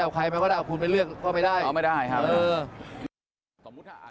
บรรยาการเลือกตั้งจาก